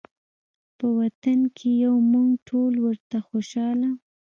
په وطن کې یو موږ ټول ورته خوشحاله